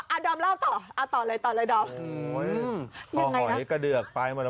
อ่านข่าวนี้รู้สึกว่าอะดอมเล่าต่อต่อเลยดอม